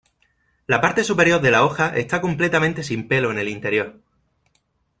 La parte superior de la hoja está completamente sin pelo en el interior.